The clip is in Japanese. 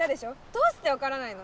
どうしてわからないの？